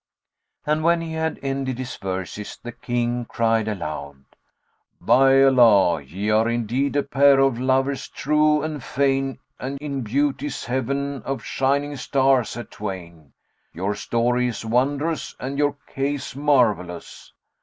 And when he had ended his verses the King cried aloud, "By Allah, ye are indeed a pair of lovers true and fain and in Beauty's heaven of shining stars a twain: your story is wondrous and your case marvellous."